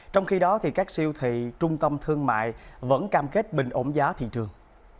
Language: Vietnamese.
trong khi đó các siêu thị trung tâm thương mại vẫn cam kết bình ổn giá thị trường